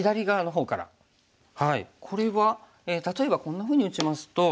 これは例えばこんなふうに打ちますと。